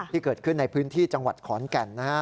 ที่เกิดขึ้นในพื้นที่จังหวัดขอนแก่นนะฮะ